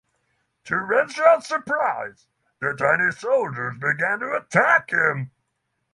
To Renshaw's surprise, the tiny soldiers begin to attack him.